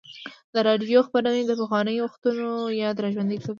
د راډیو خپرونې د پخوانیو وختونو یاد راژوندی کوي.